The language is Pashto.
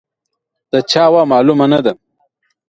د چا وه، معلومه نه ده.